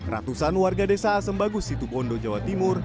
ratusan warga desa asem bagus di tubondo jawa timur